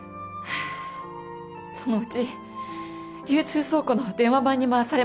そのうち流通倉庫の電話番に回されました。